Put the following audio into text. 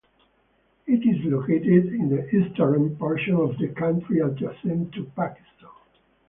It is located in the eastern portion of the country adjacent to Pakistan.